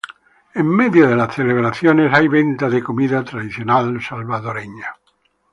En medio de las celebraciones hay venta de comida tradicional salvadoreña.